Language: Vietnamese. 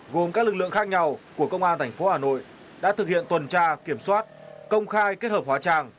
gồm các lực lượng khác nhau của công an tp hà nội đã thực hiện tuần tra kiểm soát công khai kết hợp hóa trang